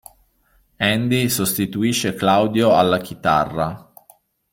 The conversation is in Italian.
Andy sostituisce Claudio alla chitarra.